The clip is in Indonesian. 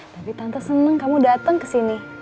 tapi tante senang kamu datang ke sini